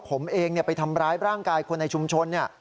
ผมเองไปทำร้ายร่างกายคนในชุมชน